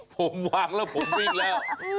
ผมวางแล้วผมอีกแล้ว